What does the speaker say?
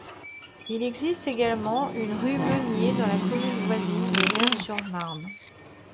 Il existe également une rue Menier dans la commune voisine de Vaires-sur-Marne.